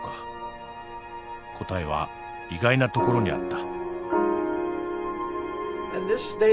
答えは意外なところにあった。